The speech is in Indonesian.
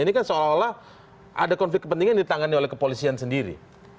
ini kan seolah olah ada konflik kepentingan ditangani oleh kepolisian sendiri